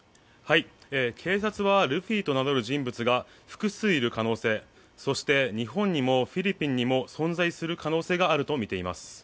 警察はルフィと名乗る人物が複数いる可能性そして日本にもフィリピンにも存在する可能性があるとみています。